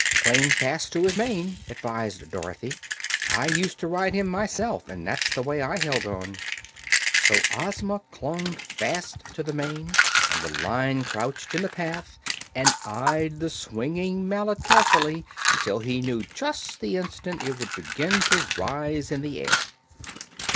"Cling fast to his mane," advised Dorothy. "I used to ride him myself, and that's the way I held on." So Ozma clung fast to the mane, and the lion crouched in the path and eyed the swinging mallet carefully until he knew just the instant it would begin to rise in the air.